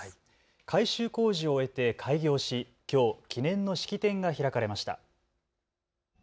改修工事を終えて開業しきょう記念の式典が開かれました。